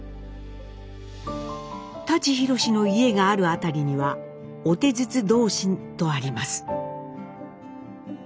舘ひろしの家がある辺りには「御手筒同心」とあります。